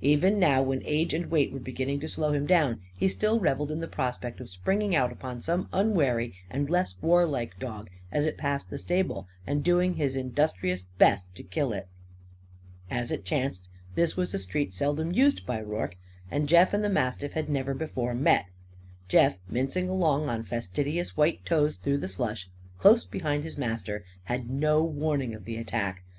Even now, when age and weight were beginning to slow him down, he still revelled in the prospect of springing out upon some unwary and less warlike dog as it passed the stable; and doing his industrious best to kill it. As it chanced, this was a street seldom used by Rorke. And Jeff and the mastiff had never before met. Jeff, mincing along on fastidious white toes through the slush, close behind his master, had no warning of the attack.